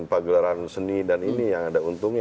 pagelaran seni dan ini yang ada untungnya